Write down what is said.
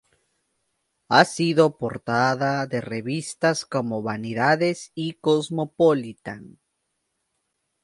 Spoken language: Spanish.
Ha sido portada de revistas como "Vanidades" y "Cosmopolitan".